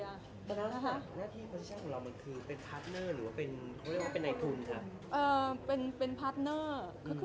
หน้าที่โปสติชั่นของเรามันคือเป็นพาร์ทเนอร์หรือเป็นไหนทุนค่ะ